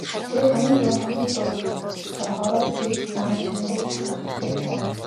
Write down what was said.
Тэрээр хамгийн түрүүнд охины дур зоргоороо эрх зан чанарыг засах хэрэгтэй байлаа.